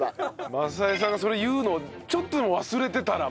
政江さんがそれ言うのちょっとでも忘れてたらもう。